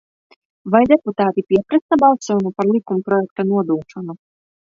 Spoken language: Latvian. Vai deputāti pieprasa balsojumu par likumprojekta nodošanu?